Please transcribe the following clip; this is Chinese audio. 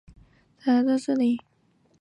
第二年斯坦利才来到这里。